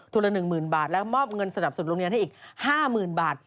ทุนละ๑หมื่นบาทแล้วมอบเงินสนับสนุนโรงเรียนให้อีก๕หมื่นบาท